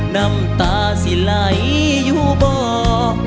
น้ำตาสิไหลอยู่บ่อ